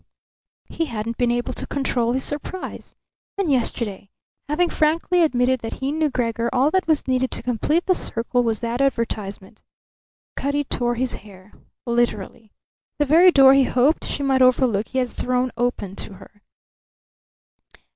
He hadn't been able to control his surprise. And yesterday, having frankly admitted that he knew Gregor, all that was needed to complete the circle was that advertisement. Cutty tore his hair, literally. The very door he hoped she might overlook he had thrown open to her.